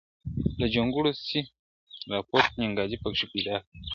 له جونګړو سي را پورته ننګیالی پکښی پیدا کړي ..